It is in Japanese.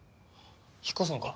引っ越すのか？